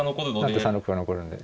成って３六歩が残るんで。